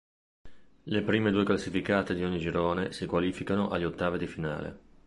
Le prime due classificate di ogni girone si qualificano agli Ottavi di finale.